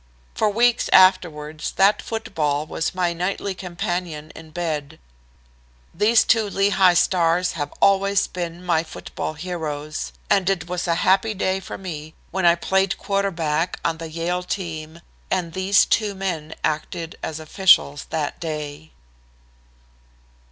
For weeks afterwards that football was my nightly companion in bed. These two Lehigh stars have always been my football heroes, and it was a happy day for me when I played quarterback on the Yale team and these two men acted as officials that day."